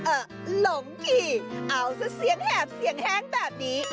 หลงอีกเอาซะเสียงแหบเสียงแห้งแบบนี้